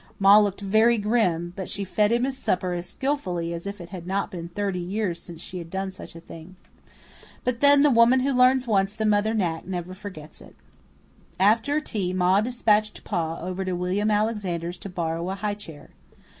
Ma looked very grim, but she fed him his supper as skilfully as if it had not been thirty years since she had done such a thing. But then, the woman who once learns the mother knack never forgets it. After tea Ma despatched Pa over to William Alexander's to borrow a high chair.